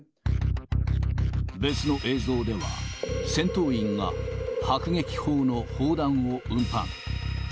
別の映像では、戦闘員が迫撃砲の砲弾を運搬。